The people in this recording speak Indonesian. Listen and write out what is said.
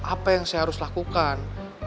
apa yang saya harus lakukan